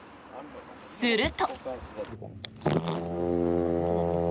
すると。